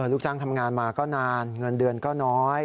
ลูกจ้างทำงานมาก็นานเงินเดือนก็น้อย